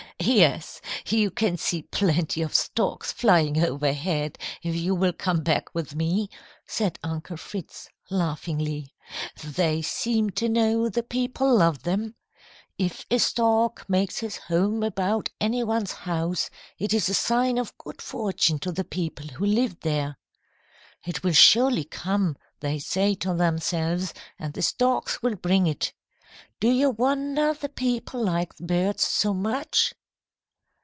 "Yes, you can see plenty of storks flying overhead if you will come back with me," said Uncle Fritz, laughingly. "They seem to know the people love them. If a stork makes his home about any one's house, it is a sign of good fortune to the people who live there. "'It will surely come,' they say to themselves, 'and the storks will bring it.' Do you wonder the people like the birds so much?"